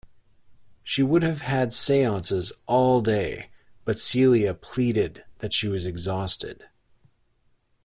She would have had seances all day, but Celia pleaded that she was exhausted.